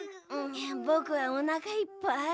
ぼくはおなかいっぱい。